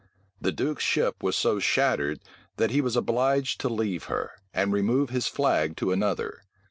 The duke's ship was so shattered, that he was obliged to leave her, and remove his flag to another.